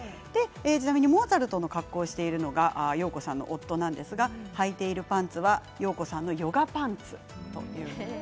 ちなみにモーツァルトの格好をしているのがようこさんの夫なんですがはいているパンツはようこさんのヨガパンツということです。